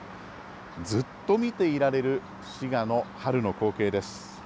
ずっと見ていられる滋賀の春の光景です。